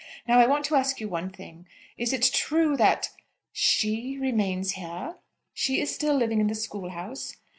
Now, I want to ask you one thing. Is it true that she remains here?" "She is still living in the school house."